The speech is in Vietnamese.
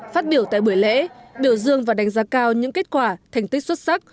phát biểu tại buổi lễ biểu dương và đánh giá cao những kết quả thành tích xuất sắc